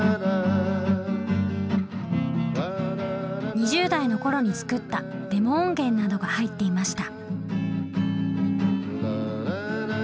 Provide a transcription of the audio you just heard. ２０代のころに作ったデモ音源などが入っていました。